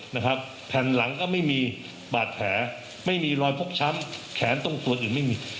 นะครับแผ่นหลังก็ไม่มีบาดแผลไม่มีรอยพกช้ำแขนตรงตัวอื่นไม่มี